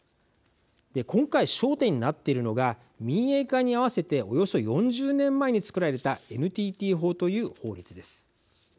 今回、焦点になっているのが民営化に合わせておよそ４０年前に作られたＮＴＴ法という法律です。